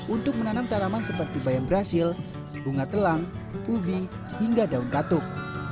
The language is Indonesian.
untuk menanam tanaman seperti bayam brazil bunga telang ubi hingga daun katuk